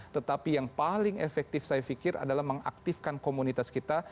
tetapi yang paling efektif saya pikir adalah mengaktifkan komunitas kita